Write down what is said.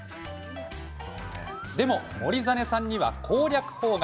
でも、守實さんには攻略法が。